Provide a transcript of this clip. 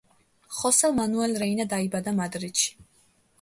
ხოსე მანუელ რეინა დაიბადა მადრიდში.